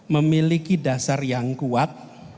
memiliki dasar yang kuat